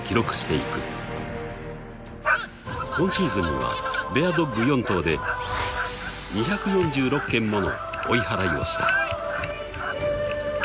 ［今シーズンにはベアドッグ４頭で２４６件もの追い払いをした］